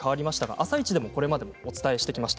「あさイチ」でもこれまでお伝えしてきました。